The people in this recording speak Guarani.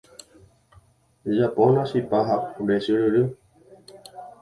Jajapóna chipa ha kure chyryry.